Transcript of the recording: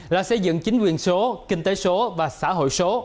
là xây dựng chính quyền số kinh tế số và xã hội số